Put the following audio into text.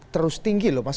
terus tinggi loh mas